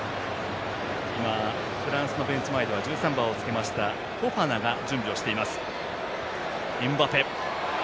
フランスのベンチ前では１３番をつけましたフォファナが準備をしています。